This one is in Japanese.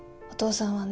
お父さん！